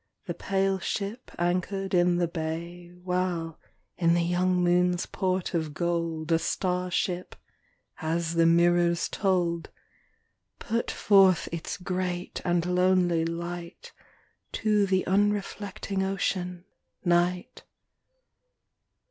The pale ship anchored in the bay, While in the young moon's port of gold A star ship — as the mirrors told — Put forth its great and lonely light To the unreflecting Ocean, Night.